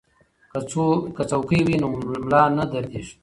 که څوکۍ وي نو ملا نه دردیږي.